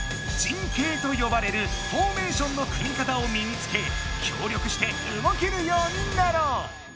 陣形と呼ばれるフォーメーションの組み方を身につけ協力して動けるようになろう！